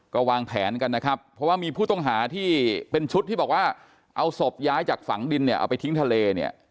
ก็วางแผนกันนะครับเพราะว่ามีผู้ต้องหาที่เป็นชุดที่บอกว่าเอาศพย้ายจากฝังดินเนี่ยเอาไปทิ้งทะเลเนี่ย